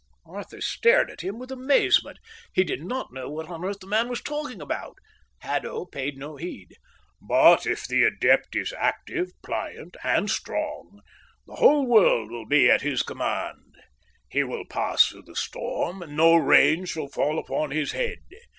Arthur stared at him with amazement. He did not know what on earth the man was talking about. Haddo paid no heed. "But if the adept is active, pliant, and strong, the whole world will be at his command. He will pass through the storm and no rain shall fall upon his head.